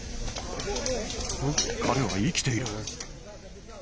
彼は生きている。